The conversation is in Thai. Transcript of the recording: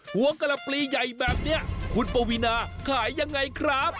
หัวกะละปลีใหญ่แบบนี้คุณปวีนาขายยังไงครับ